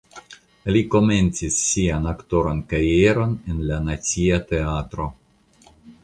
Li komencis sian aktoran karieron en la Nacia Teatro.